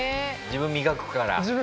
自分を磨くから。